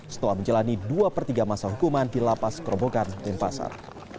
setelah menjalani dua per tiga masa hukuman di lapas kerobokan denpasar